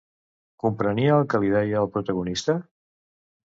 Comprenia el que li deia, el protagonista?